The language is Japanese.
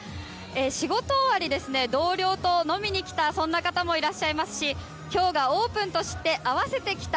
仕事終わり、同僚と飲みに来た方もいらっしゃいますし今日がオープンと知って合わせて来た。